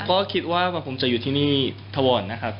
ก็คิดว่าผมจะอยู่ที่นี่ทวรนะครับ